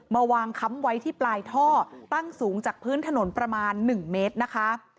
มาวางค้ำไว้ที่ปลายท่อตั้งสูงจากพื้นถนนประมาณ๑เมตรนะคะ